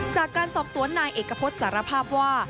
จากการสอบสวนนายเอกพฤษสารภาพว่า